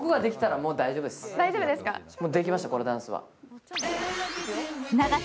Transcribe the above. もうできました、このダンスは。